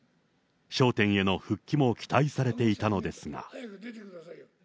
笑点への復帰も期待されていたのですが。